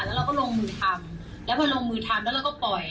แล้วเราก็ลงมือทำแล้วพอลงมือทำแล้วเราก็ปล่อย